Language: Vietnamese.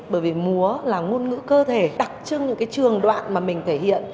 bởi vì múa là ngôn ngữ cơ thể đặc trưng những cái trường đoạn mà mình thể hiện